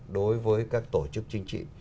đối với các tổ chức chính trị